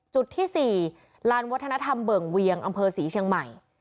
จุดที่๔ลานวัฒนธรรมเบิ่งเวียงอำเภอศรีเชียงใหม่